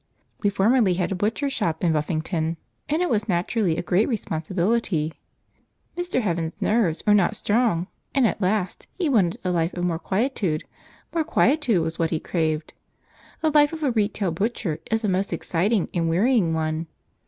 We formerly had a butcher's shop in Buffington, and it was naturally a great responsibility. Mr. Heaven's nerves are not strong, and at last he wanted a life of more quietude, more quietude was what he craved. The life of a retail butcher is a most exciting and wearying one.